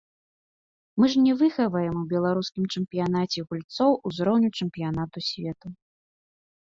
Мы ж не выхаваем у беларускім чэмпіянаце гульцоў узроўню чэмпіянату свету.